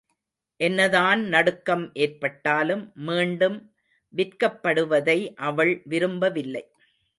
என்னதான் நடுக்கம் ஏற்பட்டாலும், மீண்டும் விற்கப்படுவதை அவள் விரும்பவில்லை.